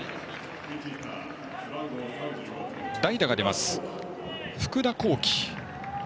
代打が出ます、福田光輝。